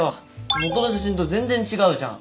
元の写真と全然違うじゃん。